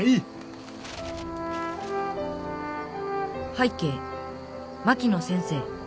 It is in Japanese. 「拝啓槙野先生。